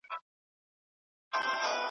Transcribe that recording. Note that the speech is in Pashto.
غواړم یوازي در واري سمه جانان یوسفه `